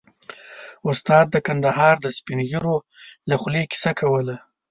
استاد د کندهار د سپين ږيرو له خولې کيسه کوله.